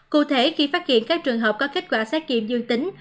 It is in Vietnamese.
cụ thể khi phát hiện các trường hợp có kết quả xét nghiệm dương tính